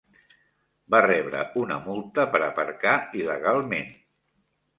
Va rebre una multa per aparcar il·legalment.